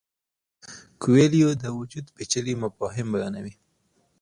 کویلیو د وجود پیچلي مفاهیم بیانوي.